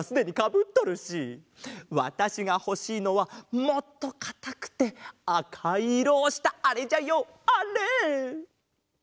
わたしがほしいのはもっとかたくてあかいいろをしたあれじゃよあれ！